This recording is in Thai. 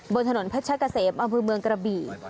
บนถนนพระชะเกษมอเมืองกระบี่